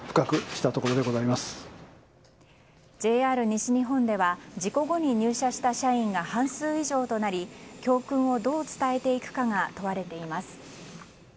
ＪＲ西日本では事故後に入社した社員が半数以上となり教訓をどう伝えていくかが問われています。